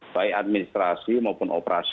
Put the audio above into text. baik administrasi maupun operasi